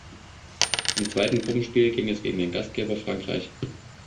Im zweiten Gruppenspiel ging es gegen den Gastgeber Frankreich.